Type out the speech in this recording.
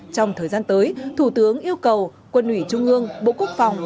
trong thời gian tới thủ tướng yêu cầu quân ủy trung ương bộ quốc phòng